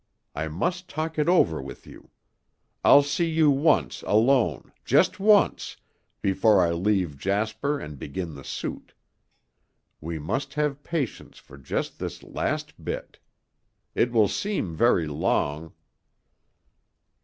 I must talk it over with you. I'll see you once alone just once before I leave Jasper and begin the suit. We must have patience for just this last bit. It will seem very long...."